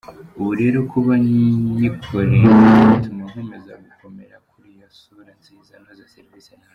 Ubu rero kuba nyikorere bituma nkomeza gukomera kuri iyo sura nziza noza serivisi ntanga.